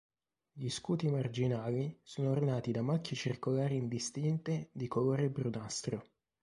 Gli scuti marginali sono ornati da macchie circolari indistinte di colore brunastro.